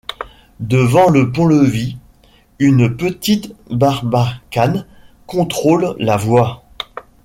Devant le pont-levis, une petite barbacane contrôle la voie.